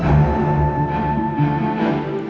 sampai nanti aku balik